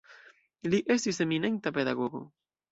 Li estis eminenta pedagogo.